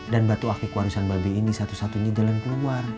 dan batu akik warisan babi ini satu satunya jalan keluar